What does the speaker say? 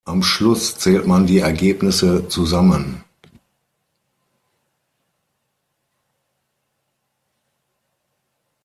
Am Schluss zählt man die Ergebnisse zusammen.